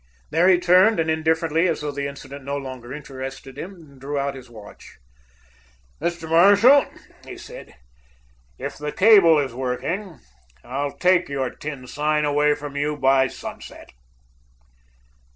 There he turned, and indifferently, as though the incident no longer interested him, drew out his watch. "Mr. Marshall," he said, "if the cable is working, I'll take your tin sign away from you by sunset."